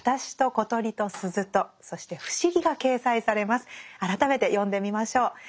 さあそして改めて読んでみましょう。